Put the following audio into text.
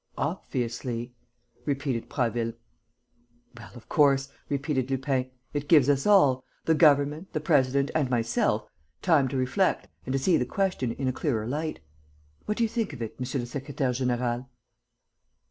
"Obviously," repeated Prasville. "Well, of course," repeated Lupin, "it gives us all the government, the president and myself time to reflect and to see the question in a clearer light. What do you think of it, monsieur le secrétaire; général?"